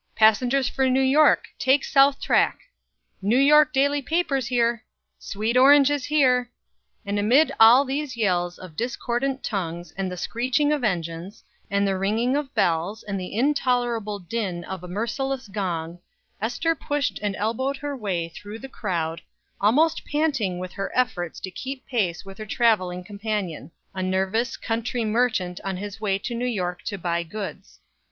"Passengers for New York take south track!" "New York daily papers here!" "Sweet oranges here!" And amid all these yells of discordant tongues, and the screeching of engines, and the ringing of bells, and the intolerable din of a merciless gong, Ester pushed and elbowed her way through the crowd, almost panting with her efforts to keep pace with her traveling companion, a nervous country merchant on his way to New York to buy goods.